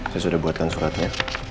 saya sudah buatkan suratnya